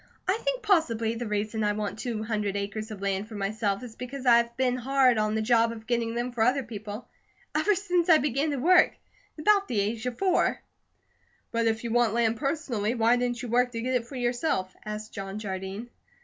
I think possibly the reason I want two hundred acres of land for myself is because I've been hard on the job of getting them for other people ever since I began to work, at about the age of four." "But if you want land personally, why didn't you work to get it for yourself?" asked John Jardine.